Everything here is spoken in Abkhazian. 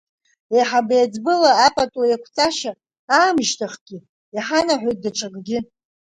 Еиҳабы еиҵбыла апатуеиқәҵашьа аамышьҭахьгьы, иҳанаҳәоит даҽакгьы.